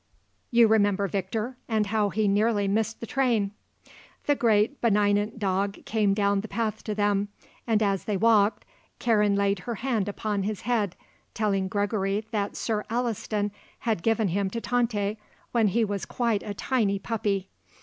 You remember Victor, and how he nearly missed the train." The great, benignant dog came down the path to them and as they walked Karen laid her hand upon his head, telling Gregory that Sir Alliston had given him to Tante when he was quite a tiny puppy.